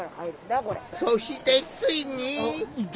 そしてついに。